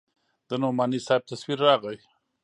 د نعماني صاحب تصوير راغى.